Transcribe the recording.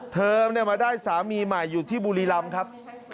เธอมาได้สามีใหม่อยู่ที่บุรีรำครับ